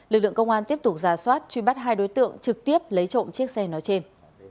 lực lượng công an tiếp tục ra soát truy bắt hai đối tượng trực tiếp lấy trộm chiếc xe nói trên